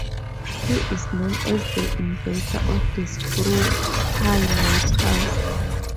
He is known as the inventor of the screw-pile lighthouse.